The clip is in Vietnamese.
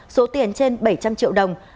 số tiền trên bảy trăm linh triệu đồng